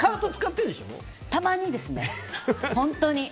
たまにですね。